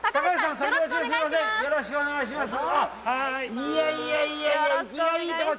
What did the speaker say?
よろしくお願いします。